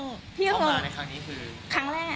ที่เขามาในครั้งนี้คือครั้งแรก